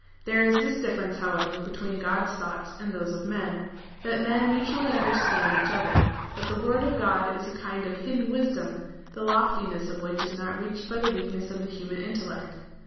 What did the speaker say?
There is this difference, however, between God's thoughts and those of men, that men mutually understand each other ; but the word of God is a kind of hidden wisdom, the loftiness of which is not reached by the weakness of the human intellect.